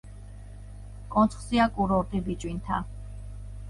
კონცხზეა კურორტი ბიჭვინთა.